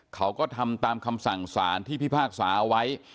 เขาก็ทำตามคำสั่งสารที่พิพากษาเอาไว้